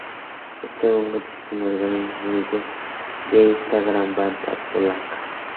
Este álbum consiste en las grandes influencias de esta gran banda polaca.